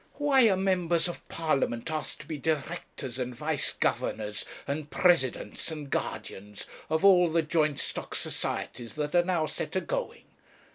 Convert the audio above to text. Why are members of Parliament asked to be directors, and vice governors, and presidents, and guardians, of all the joint stock societies that are now set agoing?